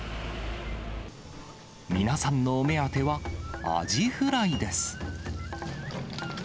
皆さんのお目当てはアジフライです。